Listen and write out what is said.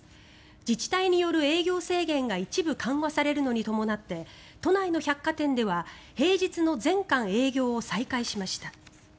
自治体による営業制限が一部緩和されるのに伴って都内の百貨店では平日の全館営業を再開しました。